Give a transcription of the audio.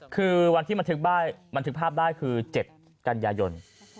คือวันที่บันทึกภาพได้คือ๗กันยายน